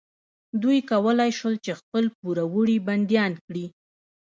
دوی کولی شول چې خپل پوروړي بندیان کړي.